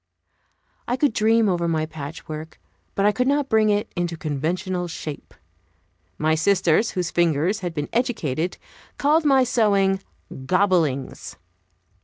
I could dream over my patchwork, but I could not bring it into conventional shape. My sisters, whose fingers had been educated, called my sewing "gobblings."